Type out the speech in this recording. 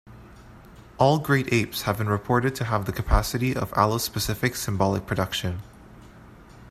All great apes have been reported to have the capacity of allospecific symbolic production.